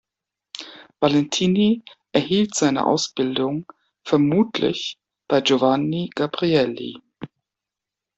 Valentini erhielt seine Ausbildung vermutlich bei Giovanni Gabrieli.